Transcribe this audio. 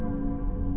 aku mau lihat